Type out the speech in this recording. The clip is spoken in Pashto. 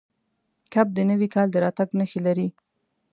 کب د نوي کال د راتګ نښې لري.